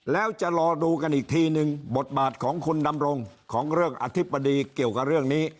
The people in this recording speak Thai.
แล้วจะรอดูกันอีกทีนึงบทบาทของคุณดำรงของเรื่องอธิบดีเกี่ยวกับเรื่องนี้